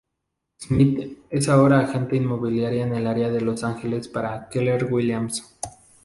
Smith es ahora agente inmobiliaria en el área de Los Ángeles para Keller Williams.